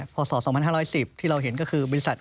พศ๒๕๑๐ที่เราเห็นก็คือบริษัท